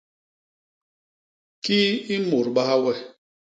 Kii i môdbaha we?